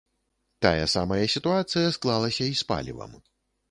Тая самая сітуацыя склалася і з палівам.